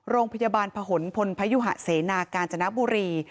โรงพยาบาลผนพลพยุหะเสนากาญจนบุรี